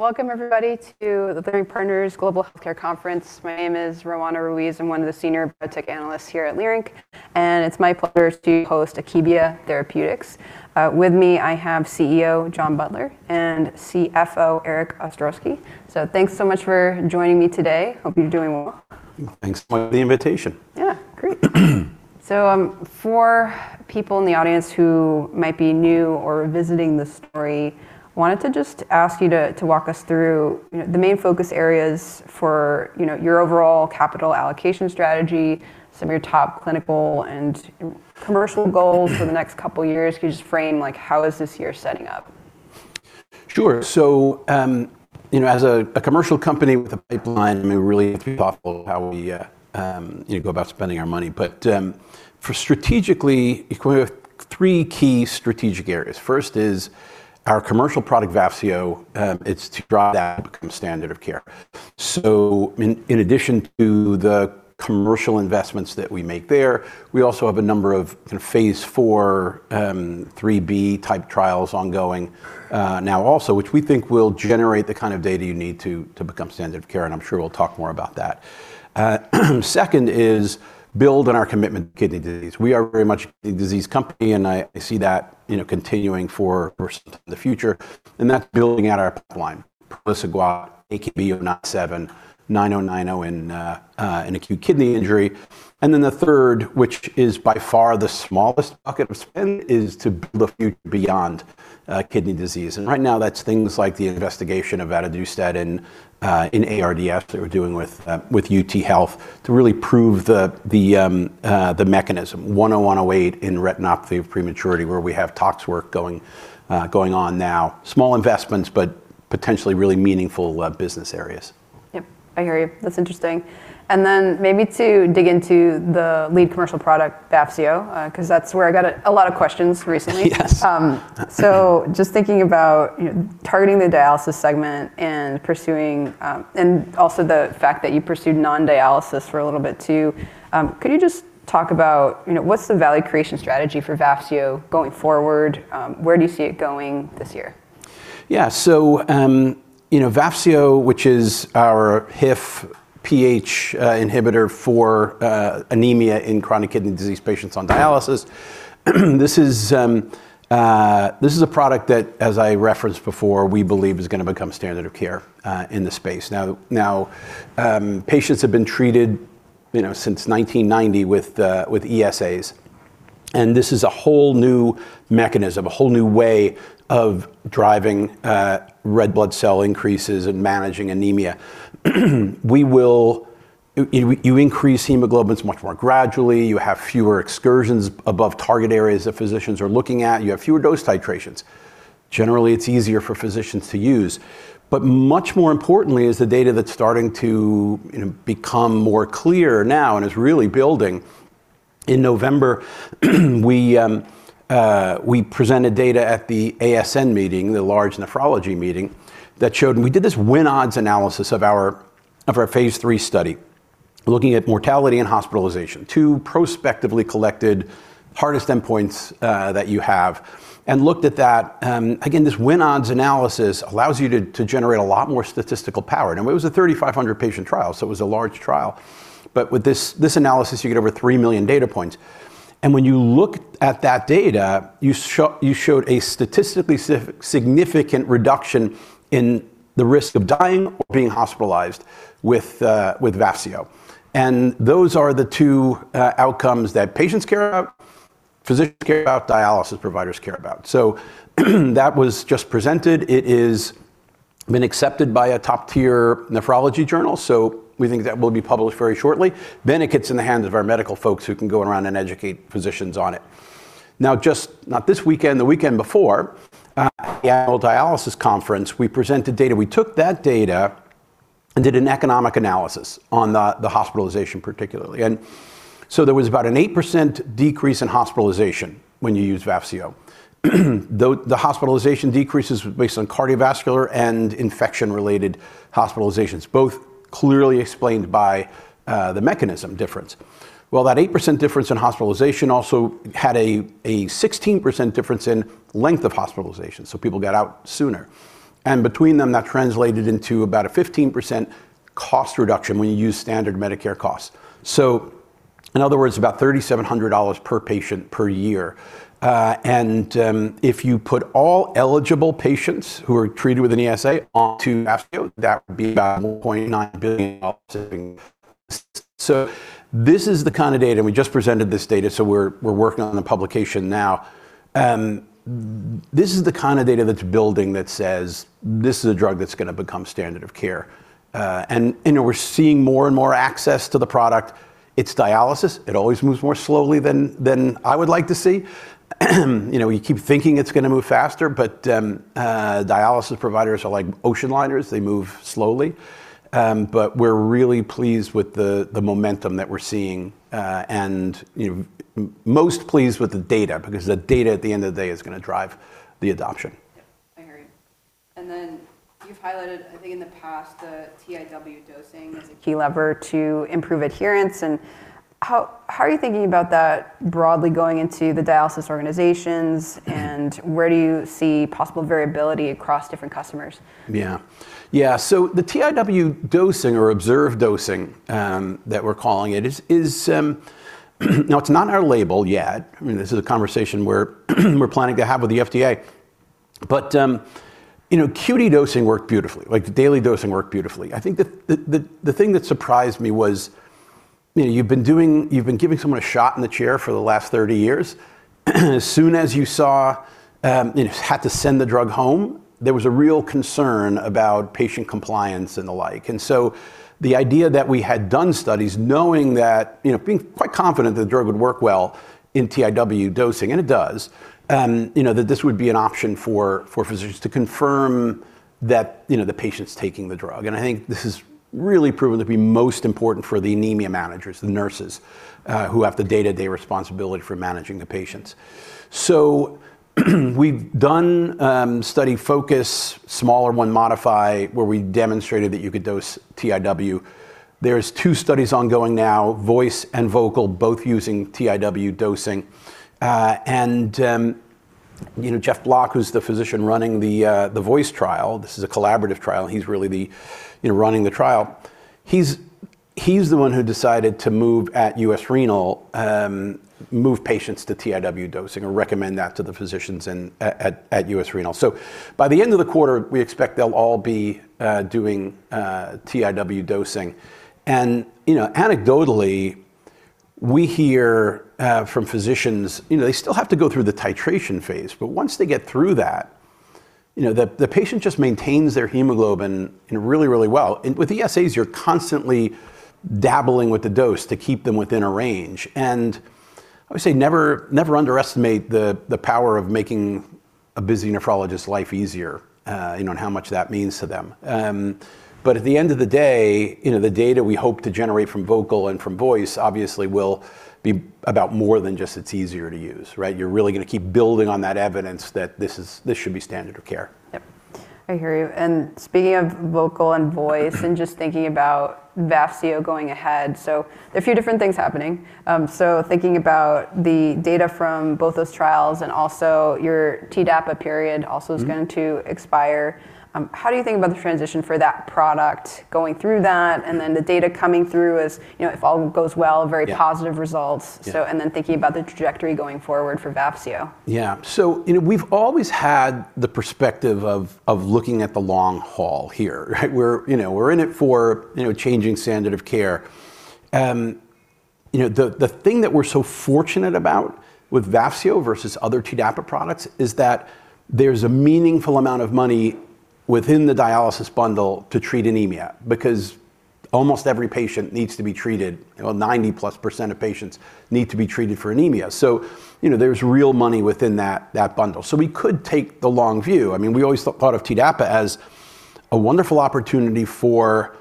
Welcome everybody to the Leerink Partners Global Healthcare Conference. My name is Roanna Ruiz. I'm one of the senior biotech analysts here at Leerink. It's my pleasure to host Akebia Therapeutics. With me, I have CEO, John Butler, and CFO, Erik Ostrowski. Thanks so much for joining me today. Hope you're doing well. Thanks for the invitation. Yeah. Great. For people in the audience who might be new or visiting this story, wanted to just ask you to walk us through, you know, the main focus areas for, you know, your overall capital allocation strategy, some of your top clinical and commercial goals for the next couple years. Could you just frame like how is this year setting up? Sure. You know, as a commercial company with a pipeline, we really have to be thoughtful how we, you know, go about spending our money. For strategically, we have three key strategic areas. First is our commercial product, Vafseo, it's to drive that become standard of care. In addition to the commercial investments that we make there, we also have a number of phase IV, 3b type trials ongoing now also, which we think will generate the kind of data you need to become standard of care, and I'm sure we'll talk more about that. Second is build on our commitment to kidney disease. We are very much a kidney disease company and I see that, you know, continuing for the future, and that's building out our pipeline. Praliciguat, AKB-097, AKB-9090 in acute kidney injury. The third, which is by far the smallest bucket of spend, is to build the future beyond kidney disease. Right now that's things like the investigation of Aduhelm and in ARDS that we're doing with UT Health to really prove the mechanism. 10108 in retinopathy of prematurity, where we have tox work going on now. Small investments, but potentially really meaningful business areas. Yep. I hear you. That's interesting. Maybe to dig into the lead commercial product, Vafseo, 'cause that's where I got a lot of questions recently. Yes. Just thinking about, you know, targeting the dialysis segment and pursuing, and also the fact that you pursued non-dialysis for a little bit too, could you just talk about, you know, what's the value creation strategy for Vafseo going forward? Where do you see it going this year? Yeah. You know, Vafseo, which is our HIF-PH inhibitor for anemia in chronic kidney disease patients on dialysis, this is a product that, as I referenced before, we believe is gonna become standard of care in the space. Now, patients have been treated, you know, since 1990 with ESAs, and this is a whole new mechanism, a whole new way of driving red blood cell increases and managing anemia. You increase hemoglobin, it's much more gradually, you have fewer excursions above target areas that physicians are looking at, you have fewer dose titrations. Generally, it's easier for physicians to use. Much more importantly is the data that's starting to, you know, become more clear now and is really building. In November, we presented data at the ASN meeting, the large nephrology meeting, that showed. We did this win odds analysis of our Phase III study, looking at mortality and hospitalization, two prospectively collected hardest endpoints that you have, and looked at that. Again, this win odds analysis allows you to generate a lot more statistical power. It was a 3,500 patient trial, so it was a large trial, but with this analysis, you get over 3 million data points. When you look at that data, you showed a statistically significant reduction in the risk of dying or being hospitalized with Vafseo. Those are the two outcomes that patients care about, physicians care about, dialysis providers care about. That was just presented. It is been accepted by a top-tier nephrology journal, we think that will be published very shortly. It gets in the hands of our medical folks who can go around and educate physicians on it. Now, just not this weekend, the weekend before, at the annual dialysis conference, we presented data. We took that data and did an economic analysis on the hospitalization particularly. There was about an 8% decrease in hospitalization when you use Vafseo. The hospitalization decreases based on cardiovascular and infection-related hospitalizations, both clearly explained by the mechanism difference. Well, that 8% difference in hospitalization also had a 16% difference in length of hospitalization, so people got out sooner. Between them, that translated into about a 15% cost reduction when you use standard Medicare costs. In other words, about $3,700 per patient per year. If you put all eligible patients who are treated with an ESA onto Vafseo, that would be about $0.9 billion savings. This is the kind of data, and we just presented this data, so we're working on the publication now. This is the kind of data that's building that says this is a drug that's gonna become standard of care. You know, we're seeing more and more access to the product. It's dialysis. It always moves more slowly than I would like to see. You know, you keep thinking it's gonna move faster, but dialysis providers are like ocean liners. They move slowly. We're really pleased with the momentum that we're seeing, and you know, most pleased with the data because the data at the end of the day is gonna drive the adoption. Yep. I hear you. You've highlighted, I think in the past, the TIW dosing as a key lever to improve adherence. How are you thinking about that broadly going into the dialysis organizations and where do you see possible variability across different customers? Yeah. Yeah, the TIW dosing or observed dosing, that we're calling it is, now it's not in our label yet. I mean, this is a conversation we're planning to have with the FDA. You know, QD dosing worked beautifully. Like, the daily dosing worked beautifully. I think the thing that surprised me was, you know, you've been giving someone a shot in the chair for the last 30 years. As soon as you saw, you had to send the drug home, there was a real concern about patient compliance and the like. The idea that we had done studies knowing that, you know, being quite confident that the drug would work well in TIW dosing, and it does, you know, that this would be an option for physicians to confirm that, you know, the patient's taking the drug. I think this has really proven to be most important for the anemia managers, the nurses, who have the day-to-day responsibility for managing the patients. We've done study FO2CUS, smaller one modify, where we demonstrated that you could dose TIW. There's two studies ongoing now, VOICE and VOCAL, both using TIW dosing. You know, Geoffrey Block, who's the physician running the VOICE trial, this is a collaborative trial and he's really the, you know, running the trial. He's the one who decided to move at U.S. Renal, move patients to TIW dosing or recommend that to the physicians in, at U.S. Renal. By the end of the quarter, we expect they'll all be doing TIW dosing. You know, anecdotally, we hear from physicians, you know, they still have to go through the titration phase. Once they get through that, you know, the patient just maintains their hemoglobin, you know, really, really well. With ESAs, you're constantly dabbling with the dose to keep them within a range. I would say never underestimate the power of making a busy nephrologist life easier, you know, and how much that means to them. At the end of the day, you know, the data we hope to generate from VOCAL and from VOICE obviously will be about more than just it's easier to use, right? You're really gonna keep building on that evidence that this should be standard of care. Yep. I hear you. Speaking of VOCAL and VOICE and just thinking about Vafseo going ahead, there are a few different things happening. Thinking about the data from both those trials and also your TDAPA period also. Mm-hmm. Is going to expire, how do you think about the transition for that product going through that, and then the data coming through as, you know, if all goes well. Yeah. Very positive results? Yeah. Thinking about the trajectory going forward for Vafseo. You know, we've always had the perspective of looking at the long haul here, right? We're, you know, we're in it for, you know, changing standard of care. You know, the thing that we're so fortunate about with Vafseo versus other TDAPA products is that there's a meaningful amount of money within the dialysis bundle to treat anemia, because almost every patient needs to be treated, well, 90-plus% of patients need to be treated for anemia. You know, there's real money within that bundle. We could take the long view. I mean, we always thought of TDAPA as a wonderful opportunity for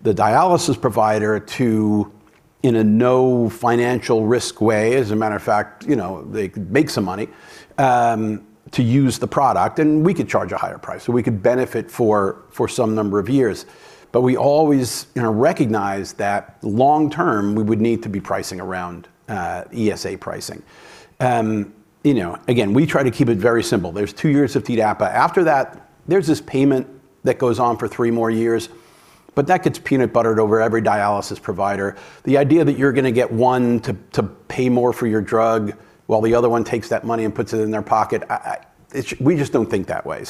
the dialysis provider to, in a no financial risk way, as a matter of fact, you know, they could make some money to use the product, and we could charge a higher price. We could benefit for some number of years. We always, you know, recognized that long term, we would need to be pricing around ESA pricing. You know, again, we try to keep it very simple. There's two years of TDAPA. After that, there's this payment that goes on for three more years, but that gets peanut buttered over every dialysis provider. The idea that you're gonna get one to pay more for your drug while the other one takes that money and puts it in their pocket, we just don't think that way.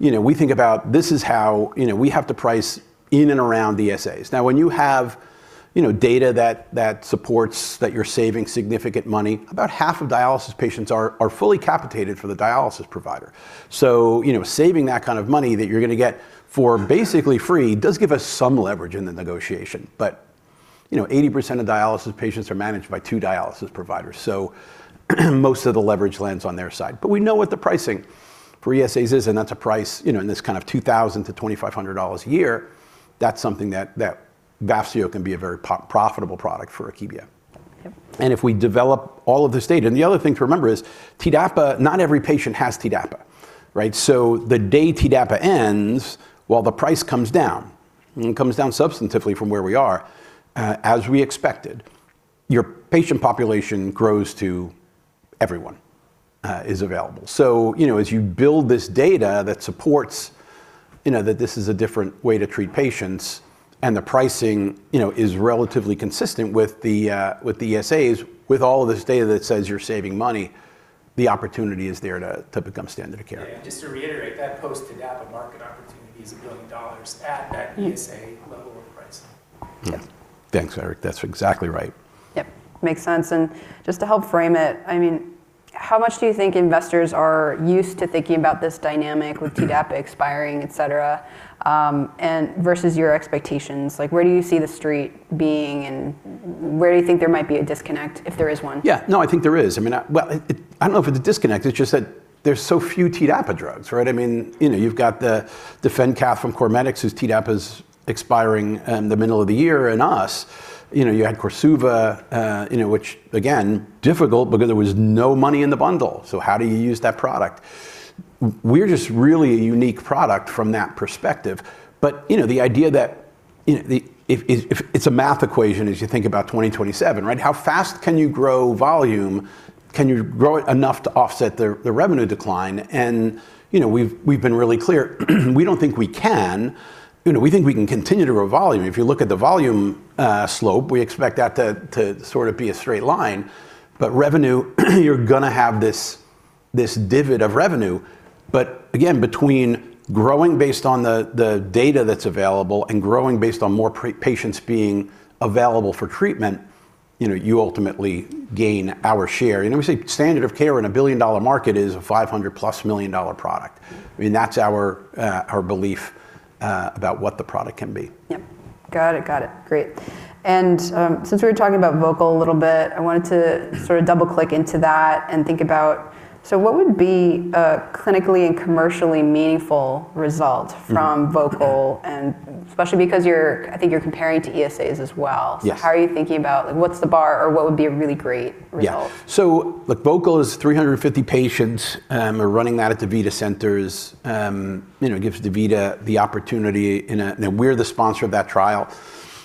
You know, we think about this is how, you know, we have to price in and around the ESAs. Now, when you have, you know, data that supports that you're saving significant money, about half of dialysis patients are fully capitated for the dialysis provider. You know, saving that kind of money that you're gonna get for basically free does give us some leverage in the negotiation. You know, 80% of dialysis patients are managed by 2 dialysis providers, so most of the leverage lands on their side. We know what the pricing for ESAs is, and that's a price, you know, in this kind of $2,000-$2,500 a year. That's something that Vafseo can be a very pro-profitable product for Akebia. Yep. If we develop all of this data. The other thing to remember is TDAPA, not every patient has TDAPA, right? The day TDAPA ends, while the price comes down, it comes down substantively from where we are, as we expected, your patient population grows to everyone is available. You know, as you build this data that supports, you know, that this is a different way to treat patients and the pricing, you know, is relatively consistent with the ESAs, with all of this data that says you're saving money, the opportunity is there to become standard of care. Yeah, just to reiterate, that post-TDAPA market opportunity is $1 billion at that ESA level of pricing. Yeah. Thanks, Erik. That's exactly right. Yep. Makes sense. Just to help frame it, I mean, how much do you think investors are used to thinking about this dynamic with TDAPA expiring, et cetera, and versus your expectations? Like, where do you see the street being, and where do you think there might be a disconnect, if there is one? Yeah. No, I think there is. I mean, well, it I don't know if it's a disconnect, it's just that there's so few TDAPA drugs, right? I mean, you know, you've got the DefenCath from CorMedix, whose TDAPA's expiring in the middle of the year and us. You know, you had Korsuva, you know, which again, difficult because there was no money in the bundle. How do you use that product? We're just really a unique product from that perspective. You know, the idea that, you know, it's a math equation as you think about 2027, right? How fast can you grow volume? Can you grow it enough to offset the revenue decline? You know, we've been really clear. We don't think we can. You know, we think we can continue to grow volume. If you look at the volume, slope, we expect that to sort of be a straight line. Revenue, you're gonna have this divot of revenue. Again, between growing based on the data that's available and growing based on more patients being available for treatment, you know, you ultimately gain our share. You know, we say standard of care in a $1 billion market is a $500-plus million product. I mean, that's our belief about what the product can be. Yep. Got it, got it. Great. Since we were talking about VOCAL a little bit, I wanted to sort of double-click into that and think about, what would be a clinically and commercially meaningful result from VOCAL? Mm-hmm. Especially because you're, I think you're comparing to ESAs as well. Yes. How are you thinking about what's the bar or what would be a really great result? Yeah. look, VOCAL is 350 patients, are running that at DaVita centers. You know, it gives DaVita the opportunity. Now we're the sponsor of that trial,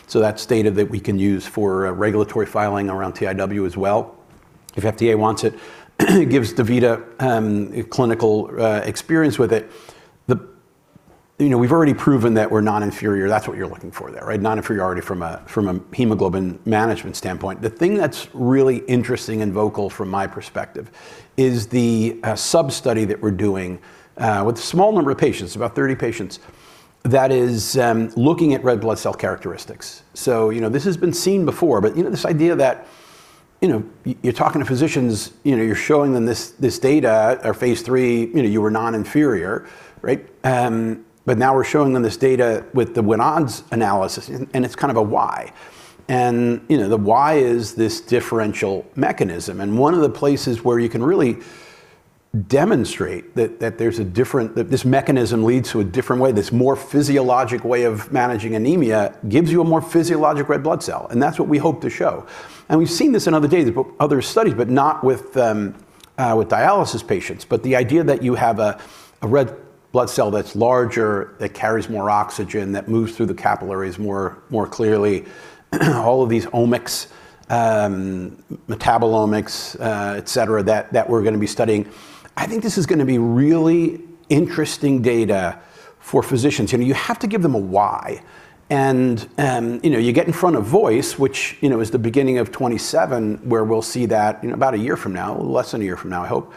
so that's data that we can use for a regulatory filing around TIW as well, if FDA wants it. It gives DaVita a clinical experience with it. You know, we've already proven that we're non-inferior. That's what you're looking for there, right? Non-inferiority from a, from a hemoglobin management standpoint. The thing that's really interesting and VOCAL from my perspective is the sub-study that we're doing, with a small number of patients, about 30 patients, that is, looking at red blood cell characteristics. You know, this has been seen before, but, you know, this idea that, you know, you're talking to physicians, you know, you're showing them this data, our phase III, you know, you were non-inferior, right? Now we're showing them this data with the Win odds analysis and it's kind of a why. You know, the why is this differential mechanism. One of the places where you can really demonstrate that there's a different. That this mechanism leads to a different way, this more physiologic way of managing anemia, gives you a more physiologic red blood cell, and that's what we hope to show. We've seen this in other data, but other studies, but not with dialysis patients. The idea that you have a red blood cell that's larger, that carries more oxygen, that moves through the capillaries more clearly, all of these omics, metabolomics, et cetera, that we're gonna be studying, I think this is gonna be really interesting data for physicians. You know, you have to give them a why. You know, you get in front of VOICE, which, you know, is the beginning of 2027, where we'll see that, you know, about a year from now, less than a year from now, I hope,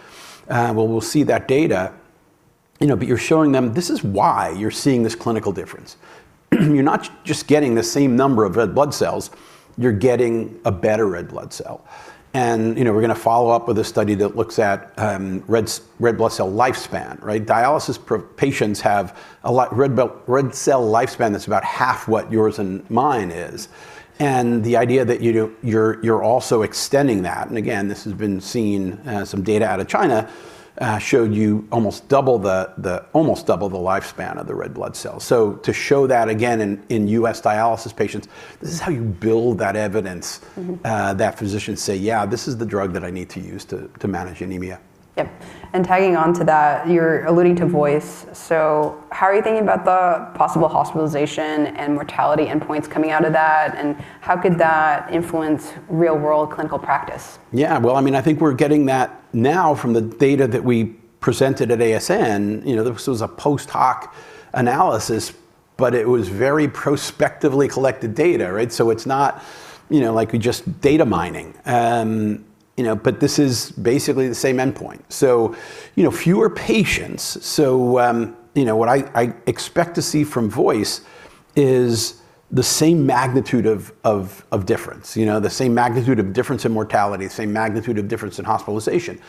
where we'll see that data. You know, you're showing them this is why you're seeing this clinical difference. You're not just getting the same number of red blood cells, you're getting a better red blood cell. You know, we're gonna follow up with a study that looks at red blood cell lifespan, right? Dialysis patients have red cell lifespan that's about half what yours and mine is. The idea that you're also extending that, and again, this has been seen, some data out of China showed you almost double the lifespan of the red blood cell. To show that again in U.S. dialysis patients, this is how you build that evidence. Mm-hmm. that physicians say, "Yeah, this is the drug that I need to use to manage anemia. Yep. Tagging on to that, you're alluding to VOICE. How are you thinking about the possible hospitalization and mortality endpoints coming out of that, and how could that influence real-world clinical practice? Yeah. Well, I mean, I think we're getting that now from the data that we presented at ASN. You know, this was a post hoc analysis, but it was very prospectively collected data, right? It's not, you know, like we're just data mining. You know, but this is basically the same endpoint. You know, fewer patients. You know, what I expect to see from VOICE is the same magnitude of difference. You know, the same magnitude of difference in mortality, same magnitude of difference in hospitalization.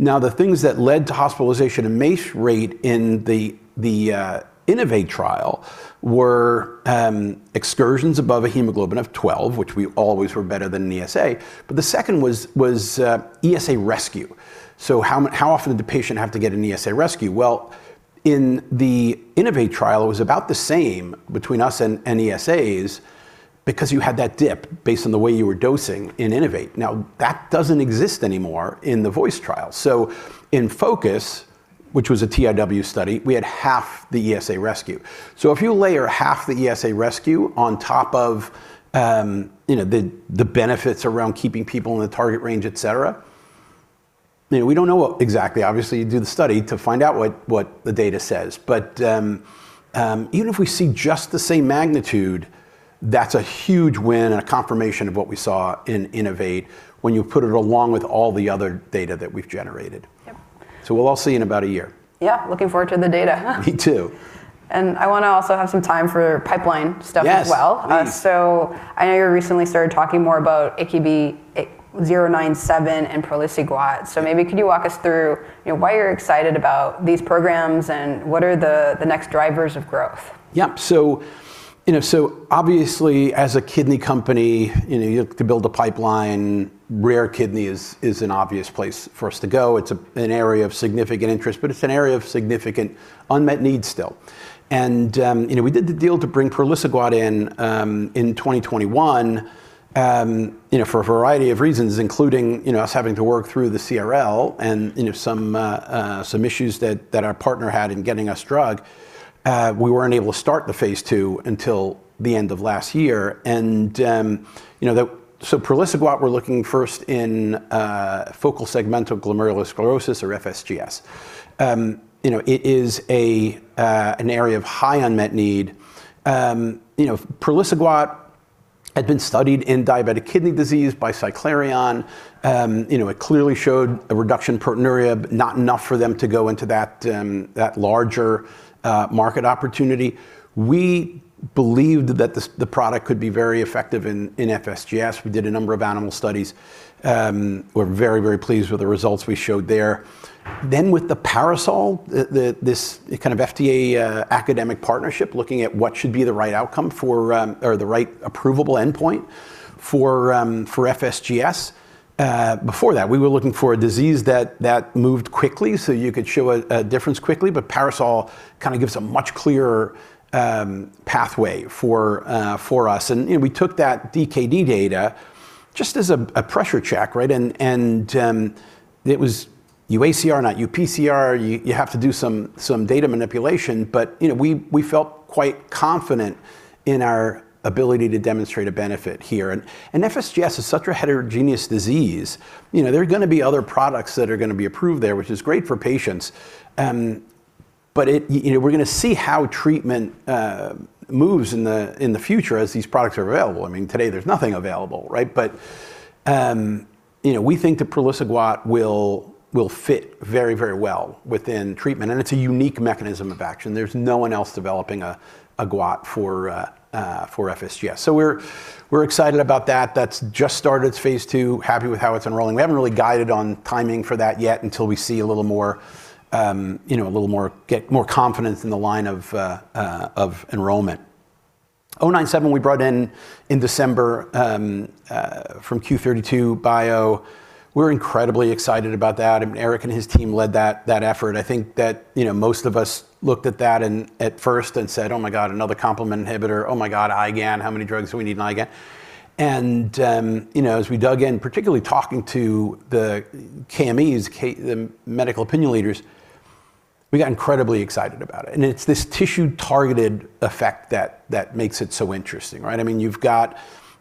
Now, the things that led to hospitalization and MACE rate in the INNO2VATE trial were excursions above a hemoglobin of 12, which we always were better than an ESA, but the second was ESA rescue. How often did the patient have to get an ESA rescue? In the INNO2VATE trial, it was about the same between us and ESAs because you had that dip based on the way you were dosing in INNO2VATE. That doesn't exist anymore in the VOICE trial. In FO2CUS, which was a TIW study, we had half the ESA rescue. If you layer half the ESA rescue on top of, you know, the benefits around keeping people in the target range, et cetera, you know, we don't know what exactly. Obviously, you do the study to find out what the data says. Even if we see just the same magnitude, that's a huge win and a confirmation of what we saw in INNO2VATE when you put it along with all the other data that we've generated. Yep. We'll all see in about a year. Yeah. Looking forward to the data. Me too. I want to also have some time for pipeline stuff as well. Yes, please. I know you recently started talking more about AKB-097 and praliciguat. Maybe could you walk us through, you know, why you're excited about these programs, and what are the next drivers of growth? Yep. You know, so obviously as a kidney company, you know, you have to build a pipeline. Rare kidney is an obvious place for us to go. It's an area of significant interest, but it's an area of significant unmet need still. You know, we did the deal to bring praliciguat in 2021, you know, for a variety of reasons, including, you know, us having to work through the CRL and, you know, some issues that our partner had in getting us drug. We weren't able to start the phase II until the end of last year. You know, praliciguat we're looking first in focal segmental glomerulosclerosis or FSGS. You know, it is an area of high unmet need. You know, praliciguat had been studied in diabetic kidney disease by Cyclerion. You know, it clearly showed a reduction proteinuria, but not enough for them to go into that larger market opportunity. We believed that the product could be very effective in FSGS. We did a number of animal studies. We're very pleased with the results we showed there. With the PARASOL, this kind of FDA academic partnership looking at what should be the right outcome for or the right approvable endpoint for FSGS. Before that we were looking for a disease that moved quickly, so you could show a difference quickly, but PARASOL kinda gives a much clearer pathway for us. You know, we took that DKD data just as a pressure check, right? it was UACR not UPCR. You have to do some data manipulation, but, you know, we felt quite confident in our ability to demonstrate a benefit here. FSGS is such a heterogeneous disease. You know, there are gonna be other products that are gonna be approved there, which is great for patients, but, you know, we're gonna see how treatment moves in the future as these products are available. I mean, today there's nothing available, right? But, you know, we think the praliciguat will fit very, very well within treatment, and it's a unique mechanism of action. There's no one else developing a guat for FSGS. We're excited about that. That's just started its phase II. Happy with how it's enrolling. We haven't really guided on timing for that yet until we see a little more, you know, get more confidence in the line of enrollment. 097 we brought in in December from Q32 Bio. We're incredibly excited about that, and Erik and his team led that effort. I think that, you know, most of us looked at that and at first and said, "Oh my god, another complement inhibitor. Oh my god, IgAN. How many drugs do we need in IgAN?" As we dug in, particularly talking to the KMEs, the medical opinion leaders, we got incredibly excited about it. It's this tissue-targeted effect that makes it so interesting, right? I mean, you've got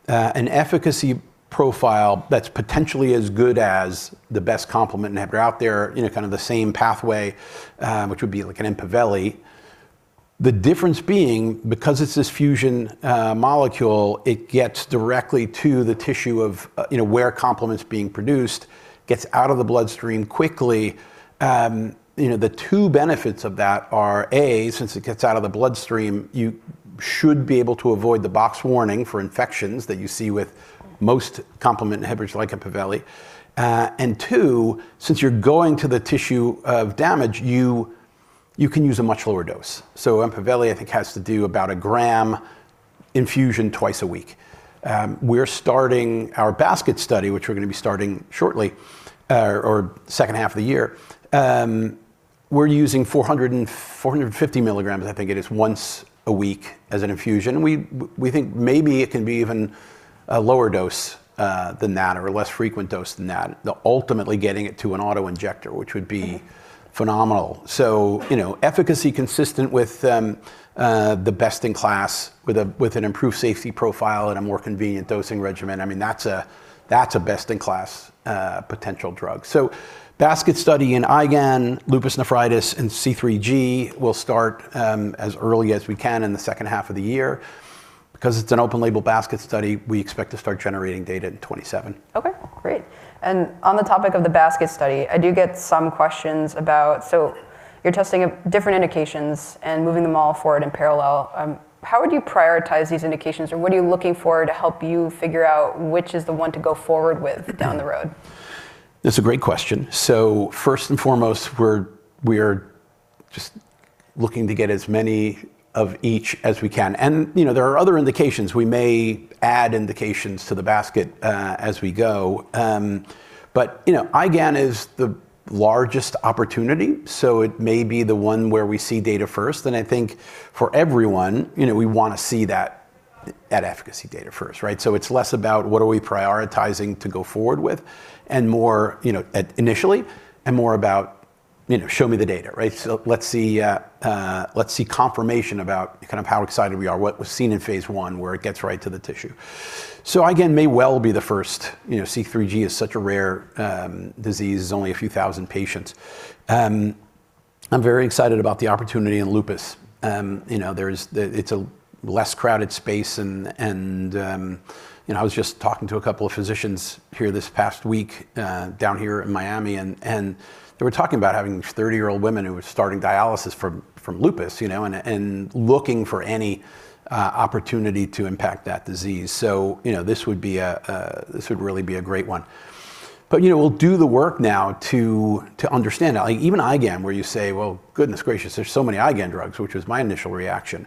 an efficacy profile that's potentially as good as the best complement inhibitor out there in a kind of the same pathway, which would be like an Empaveli. The difference being because it's this fusion molecule, it gets directly to the tissue of, you know, where complement's being produced, gets out of the bloodstream quickly. You know, the two benefits of that are, A, since it gets out of the bloodstream, you should be able to avoid the box warning for infections that you see with most complement inhibitors like Empaveli. Two, since you're going to the tissue of damage, you can use a much lower dose. Empaveli, I think has to do about 1 g infusion twice a week. We're starting our basket study, which we're gonna be starting shortly, or second half of the year. We're using 450 milligrams, I think it is, once a week as an infusion. We think maybe it can be even a lower dose than that or a less frequent dose than that. The ultimately getting it to an auto-injector, which would be phenomenal. You know, efficacy consistent with the best in class with an improved safety profile and a more convenient dosing regimen. I mean, that's a, that's a best in class potential drug. Basket study in IgAN, lupus nephritis and C3G will start as early as we can in the second half of the year. Because it's an open-label basket study, we expect to start generating data in 2027. Okay, great. On the topic of the basket study, I do get some questions about. You're testing a different indications and moving them all forward in parallel. How would you prioritize these indications, or what are you looking for to help you figure out which is the one to go forward with down the road? That's a great question. First and foremost, we're just looking to get as many of each as we can. You know, there are other indications. We may add indications to the basket as we go. You know, IgAN is the largest opportunity, so it may be the one where we see data first. I think for everyone, you know, we wanna see that efficacy data first, right? It's less about what are we prioritizing to go forward with and more, you know, at initially and more about, you know, show me the data, right? Let's see, let's see confirmation about kind of how excited we are, what was seen in phase I, where it gets right to the tissue. IgAN may well be the first, you know, C3G is such a rare disease. There's only a few thousand patients. I'm very excited about the opportunity in lupus. you know, it's a less crowded space and, you know, I was just talking to a couple of physicians here this past week, down here in Miami and they were talking about having 30-year-old women who were starting dialysis from lupus, you know, and looking for any opportunity to impact that disease. you know, this would be a, this would really be a great one. you know, we'll do the work now to understand. Like even IgAN, where you say, "Well, goodness gracious, there's so many IgAN drugs," which was my initial reaction.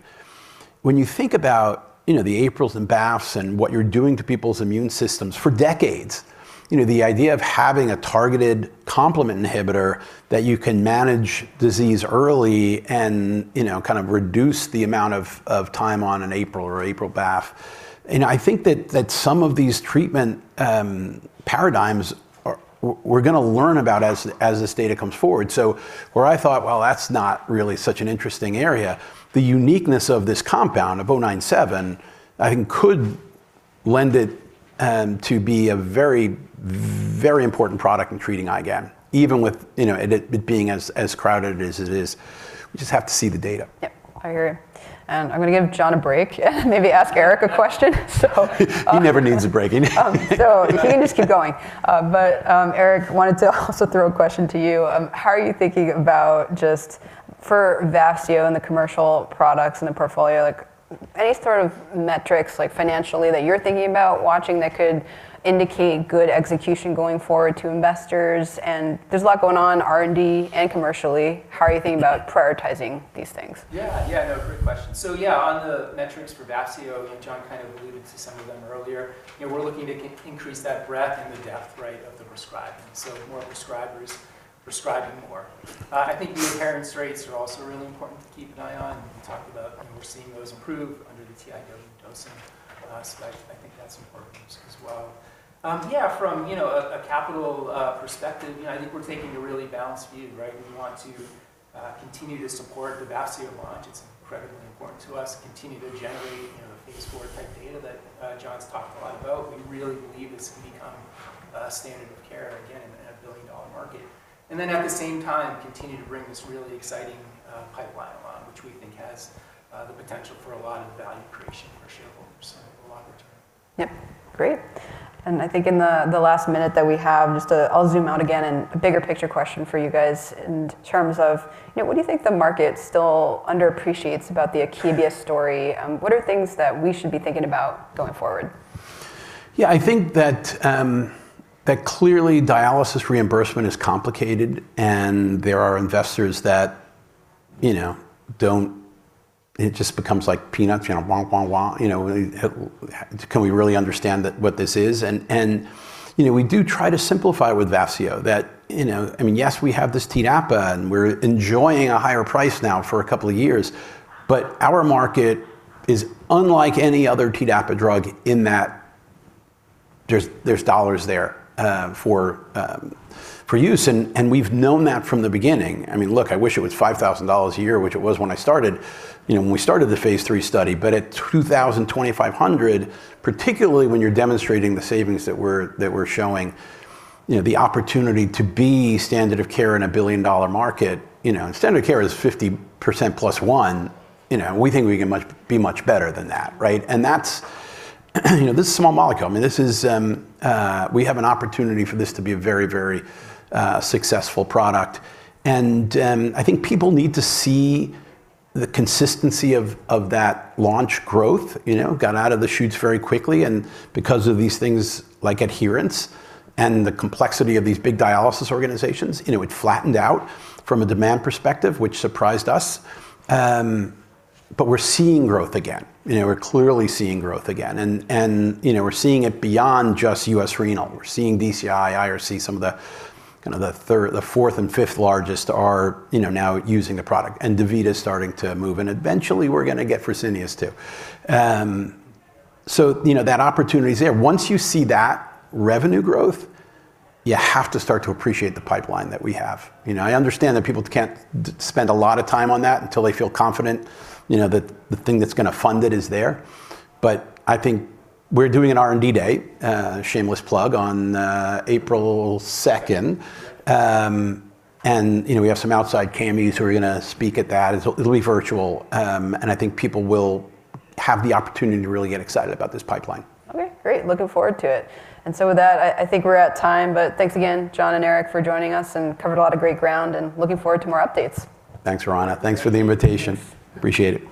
When you think about, you know, the APRIL and BAFFs and what you're doing to people's immune systems for decades, you know, the idea of having a targeted complement inhibitor that you can manage disease early and, you know, kind of reduce the amount of time on an APRIL or APRIL/BAFFs, you know, I think that some of these treatment paradigms are we're gonna learn about as this data comes forward. Where I thought, "Well, that's not really such an interesting area," the uniqueness of this compound, of 097, I think could lend itAnd to be a very, very important product in treating IgAN, even with, you know, it being as crowded as it is. We just have to see the data. Yep. I hear you. I'm gonna give John a break and maybe ask Erik a question. He never needs a break, you know. He can just keep going. Erik, wanted to also throw a question to you. How are you thinking about just for Vafseo and the commercial products and the portfolio, like any sort of metrics, like financially, that you're thinking about watching that could indicate good execution going forward to investors? There's a lot going on in R&D and commercially. How are you thinking about prioritizing these things? Great question. On the metrics for Vafseo, I know John kind of alluded to some of them earlier. We're looking to increase that breadth and the depth of the prescribing, so more prescribers prescribing more. I think the adherence rates are also really important to keep an eye on. We talked about, we're seeing those improve under the TI dosing, so I think that's important as well. From a capital perspective, I think we're taking a really balanced view. We want to continue to support the Vafseo launch. It's incredibly important to us, continue to generate the phase IV type data that John's talked a lot about. We really believe this can become a standard of care, again, in a billion-dollar market. At the same time, continue to bring this really exciting pipeline along, which we think has the potential for a lot of value creation for shareholders, so a lot of return. Yep. Great. I think in the last minute that we have, I'll zoom out again, and a bigger picture question for you guys in terms of, you know, what do you think the market still under appreciates about the Akebia story? What are things that we should be thinking about going forward? Yeah. I think that clearly dialysis reimbursement is complicated, and there are investors that, you know, It just becomes like peanuts, you know, wah, wah. You know, can we really understand that, what this is? You know, we do try to simplify with Vafseo that, you know, I mean, yes, we have this TDAPA, and we're enjoying a higher price now for a couple of years. Our market is unlike any other TDAPA drug in that there's dollars there, for use and we've known that from the beginning. I mean, look, I wish it was $5,000 a year, which it was when I started, you know, when we started the Phase III study. At $2,000-$2,500, particularly when you're demonstrating the savings that we're showing, you know, the opportunity to be standard of care in a $1 billion market, you know. Standard of care is 50% plus one, you know, we think we can be much better than that, right? That's, you know. This is a small molecule. I mean, this is, we have an opportunity for this to be a very, very successful product. I think people need to see the consistency of that launch growth, you know. Got out of the shoots very quickly, and because of these things like adherence and the complexity of these big dialysis organizations, you know, it flattened out from a demand perspective, which surprised us. We're seeing growth again, you know. We're clearly seeing growth again and, you know, we're seeing it beyond just U.S. Renal. We're seeing DCI, IRC, some of the, kinda the third, fourth and fifth largest are, you know, now using the product, and DaVita's starting to move, and eventually we're gonna get Fresenius too. You know, that opportunity is there. Once you see that revenue growth, you have to start to appreciate the pipeline that we have, you know. I understand that people can't spend a lot of time on that until they feel confident, you know, that the thing that's gonna fund it is there. I think we're doing an R&D day, shameless plug, on April 2nd. You know, we have some outside KOLs who are gonna speak at that. It'll be virtual. I think people will have the opportunity to really get excited about this pipeline. Okay, great. Looking forward to it. With that, I think we're at time. Thanks again, John and Erik, for joining us and covered a lot of great ground and looking forward to more updates. Thanks, Roanna. Thanks for the invitation. Appreciate it.